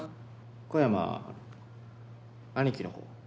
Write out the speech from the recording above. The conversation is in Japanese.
小山兄貴の方。